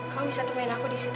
kamu bisa temenin aku disitu